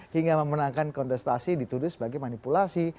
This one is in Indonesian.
hingga memenangkan kontestasi dituduh sebagai manipulasi